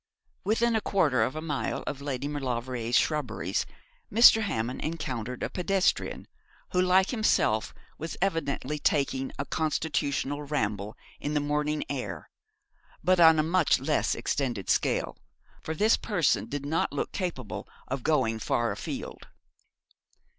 Within about a quarter of a mile of Lady Maulevrier's shrubberies Mr. Hammond encountered a pedestrian, who, like himself, was evidently taking a constitutional ramble in the morning air, but on a much less extended scale, for this person did not look capable of going far afield.